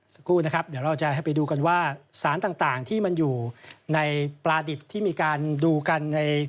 เดี๋ยวเราจะไปดูกันว่าสารต่างที่มันอยู่ในปลาดิบที่มีการดูกัน